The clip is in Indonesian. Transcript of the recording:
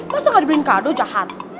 masa gak dibeliin kado jahat